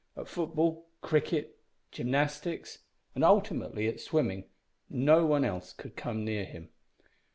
At football, cricket, gymnastics, and, ultimately, at swimming, no one could come near him.